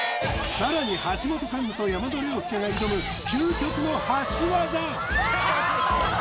さらに橋本環奈と山田涼介が挑む・あっ！